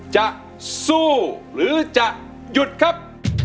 เพลงที่๒นะครับ